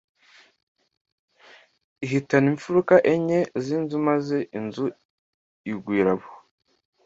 ihitana impfuruka enye z inzu maze inzu igwira abo